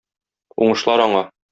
Уңышлар аңа!